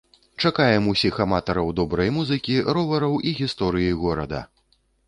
Чакаем усіх аматараў добрай музыкі, ровараў і гісторыі горада!